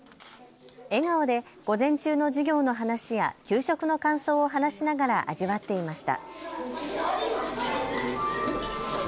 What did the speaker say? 笑顔で午前中の授業の話や給食の感想を話しながら味わっていました。